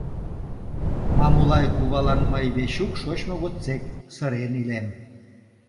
Мамулай кувалан мый Вечук шочмо годсек сырен илем.